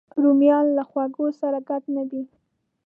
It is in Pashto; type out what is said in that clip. رومیان له خوږو سره ګډ نه دي